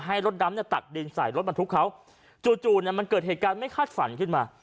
ให้รถดำเนี่ยตักดินใส่รถบรรทุกเขาจู่จู่เนี่ยมันเกิดเหตุการณ์ไม่คาดฝันขึ้นมา